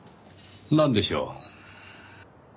なんでしょう？